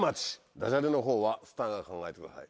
ダジャレのほうはスターが考えてください。